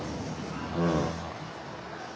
うん。